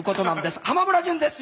浜村淳です。